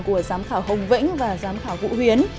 của giám khảo hồng vĩnh và giám khảo vũ huyến